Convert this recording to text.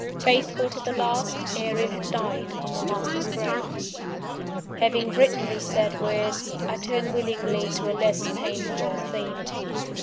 Faithful to the last, Ariel had died on the Master's grave! Having written these sad words, I turn willingly to a less painful theme.